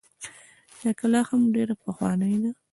دا کلا هم ډيره پخوانۍ ده